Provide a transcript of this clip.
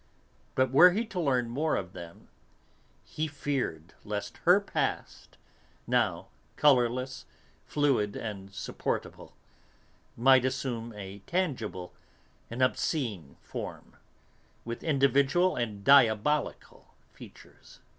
But were he to learn more of them, he feared lest her past, now colourless, fluid and supportable, might assume a tangible, an obscene form, with individual and diabolical features.